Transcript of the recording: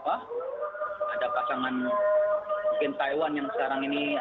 ada pasangan mungkin taiwan yang sekarang ini